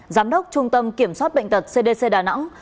giám đốc trung tâm kiểm soát bệnh tật cdc đà nẵng